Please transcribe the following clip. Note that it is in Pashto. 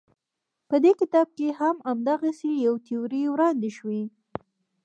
په دې کتاب کې همدغسې یوه تیوري وړاندې شوې.